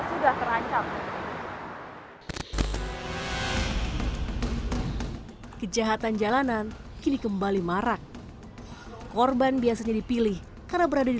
sudah terancam kejahatan jalanan kini kembali marak korban biasanya dipilih karena berada di